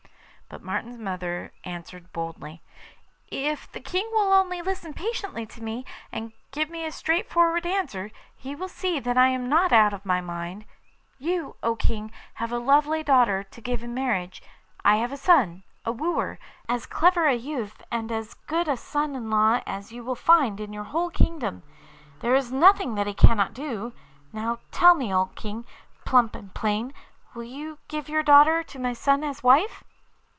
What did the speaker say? But Martin's mother answered boldly: 'If the King will only listen patiently to me, and give me a straightforward answer, he will see that I am not out of my mind. You, O King, have a lovely daughter to give in marriage. I have a son a wooer as clever a youth and as good a son in law as you will find in your whole kingdom. There is nothing that he cannot do. Now tell me, O King, plump and plain, will you give your daughter to my son as wife?